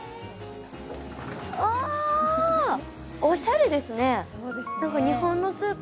おしゃれですね。